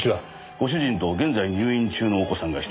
ご主人と現在入院中のお子さんが１人。